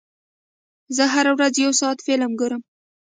زه هره ورځ یو ساعت فلم ګورم.